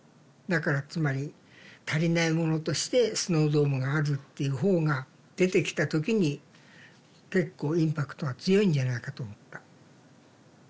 だからつまり足りないものとしてスノードームがあるっていう方が出てきた時に結構インパクトが強いんじゃないかと思った。